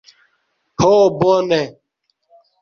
Ho bone